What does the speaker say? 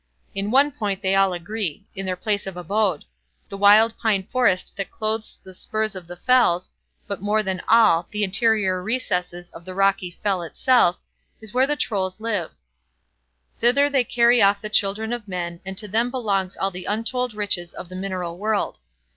In one point they all agree—in their place of abode. The wild pine forest that clothes the spurs of the fells, but more than all, the interior recesses of the rocky fell itself, is where the Trolls live. Thither they carry off the children of men, and to them belongs all the untold riches of the mineral world.